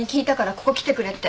ここ来てくれって。